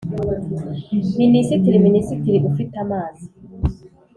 Minisitiri Minisitiri ufite amazi